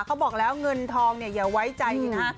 เขาบอกแล้วเงินทองเนี่ยอย่าไว้ใจนะฮะ